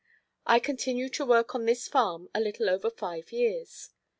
I continued to work on this farm a little over five years.